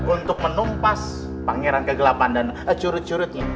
untuk menumpas pangeran kegelapan dan curut curutnya